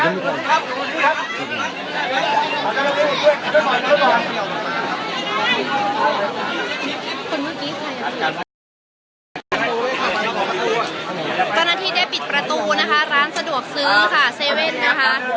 ตอนนั้นที่ได้ปิดประตูนะคะร้านสะดวกซื้อเซเว่นนะคะ